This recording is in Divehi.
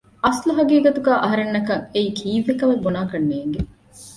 އަސްލު ހަގީގަތުގައި އަހަރެންނަކަށް އެއީ ކީއްވެކަމެއް ބުނާކަށް ނޭނގެ